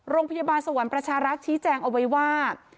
โรงพยาบาลสวรรค์ประชารักษ์ชี้แจงเอาไว้ว่า